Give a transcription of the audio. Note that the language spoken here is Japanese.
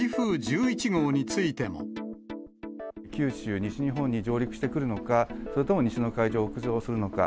九州、西日本に上陸してくるのか、それとも西の海上を北上するのか、